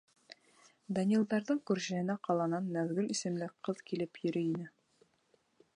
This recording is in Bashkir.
Данилдарҙың күршеһенә ҡаланан Наҙгөл исемле ҡыҙ килеп йөрөй ине.